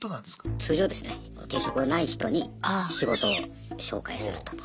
通常ですね定職ない人に仕事を紹介すると。